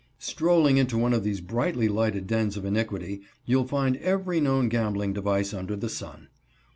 Strolling into one of these brilliantly lighted dens of iniquity, you'll find every known gambling device under the sun.